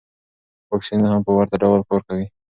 واکسینونه هم په ورته ډول کار کوي.